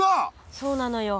そうなのよ。